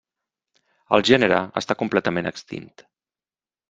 El gènere està completament extint.